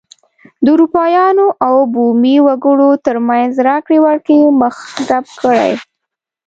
د اروپایانو او بومي وګړو ترمنځ راکړې ورکړې مخه ډپ کړي.